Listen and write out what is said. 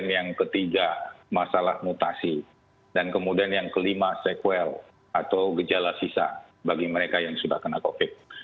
yang ketiga masalah mutasi dan kemudian yang kelima sequel atau gejala sisa bagi mereka yang sudah kena covid